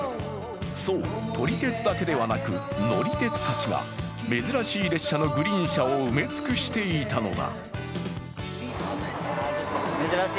そう、撮り鉄だけではなく、乗り鉄たちが珍しい列車のグリーン車を埋め尽くしていたのだ。